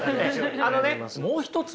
あのねもう一つはね